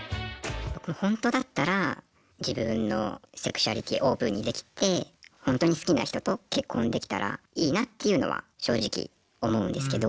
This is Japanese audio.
僕、本当だったら自分のセクシュアリティーをオープンにできて本当に好きな人と結婚できたらいいなっていうのは正直思うんですけど。